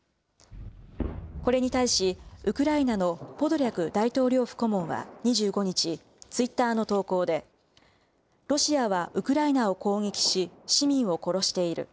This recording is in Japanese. これに対し、ウクライナのポドリャク大統領府顧問は２５日、ツイッターの投稿で、ロシアはウクライナを攻撃し、市民を殺している。